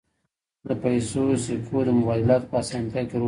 د پیسو سکو د مبادلاتو په اسانتیا کې رول ولوباوه